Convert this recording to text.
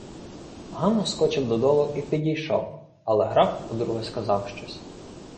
Гано скочив додолу, і підійшов, але граф удруге сказав щось.